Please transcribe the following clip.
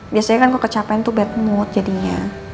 biasanya kan kalau kecapean tuh bad mood jadinya